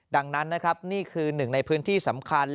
ดังนั้นนะครับนี่คือหนึ่งในพื้นที่สำคัญ